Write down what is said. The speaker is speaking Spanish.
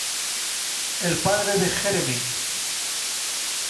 El padre de Jeremy.